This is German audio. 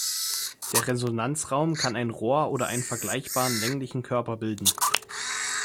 Der Resonanzraum kann ein Rohr oder einen vergleichbaren länglichen Körper bilden.